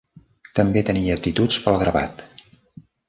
També tenia aptituds pel gravat.